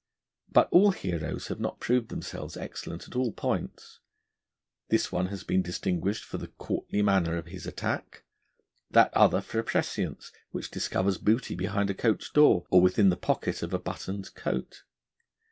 But all heroes have not proved themselves excellent at all points. This one has been distinguished for the courtly manner of his attack, that other for a prescience which discovers booty behind a coach door or within the pocket of a buttoned coat.